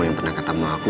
yang pernah ketemu aku